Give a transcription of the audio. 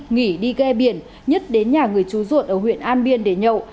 nghỉ đi ghe biển nhất đến nhà người chú ruột ở huyện an biên để nhậu